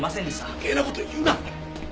余計な事言うな！